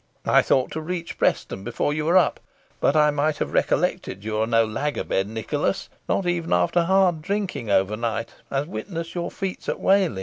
I thought to reach Preston before you were up, but I might have recollected you are no lag a bed, Nicholas, not even after hard drinking overnight, as witness your feats at Whalley.